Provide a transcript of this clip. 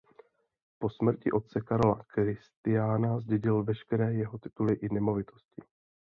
Po smrti otce Karla Kristiána zdědil veškeré jeho tituly i nemovitosti.